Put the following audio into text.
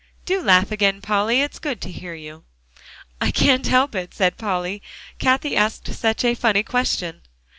Do laugh again, Polly; it's good to hear you." "I can't help it," said Polly, "Cathie asked such a funny question."